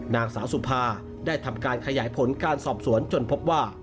นางสาวสุภาได้ทำการขยายผลการสอบสวนจนพบว่า